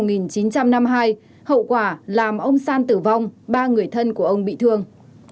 trong năm năm hai hậu quả làm ông san tử vong ba người thân của ông bị thương